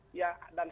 dan hak hak warga